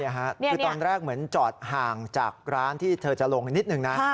คือตอนแรกเหมือนจอดห่างจากร้านที่เธอจะลงนิดนึงนะ